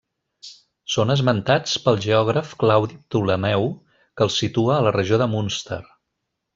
Són esmentats pel geògraf Claudi Ptolemeu que els situa a la regió de Munster.